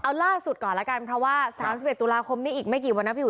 เอาล่าสุดก่อนแล้วกันเพราะว่า๓๑ตุลาคมนี้อีกไม่กี่วันนะพี่อุ